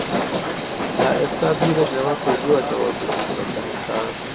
تا ئێستا بیرت لەوە کردووەتەوە ببیت بە پەرستار؟